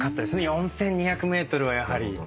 ４，２００ｍはやはり。